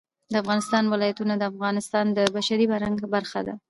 د افغانستان ولايتونه د افغانستان د بشري فرهنګ برخه ده.